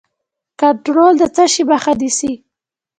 کنټرول د څه شي مخه نیسي؟